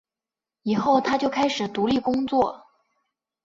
以后他就开始独立工作。